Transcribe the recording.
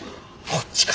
こっちか。